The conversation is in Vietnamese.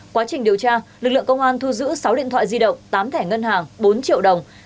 quá trình điều tra lực lượng công an thu giữ sáu điện thoại di động tám thẻ ngân hàng bốn triệu đồng